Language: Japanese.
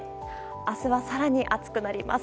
明日は更に暑くなります。